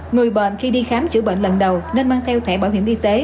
người bệnh khi đi khám chữa bệnh lần đầu nên mang theo thẻ bảo hiểm y tế